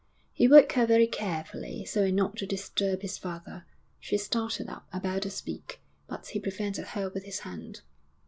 He woke her very carefully, so as not to disturb his father. She started up, about to speak, but he prevented her with his hand.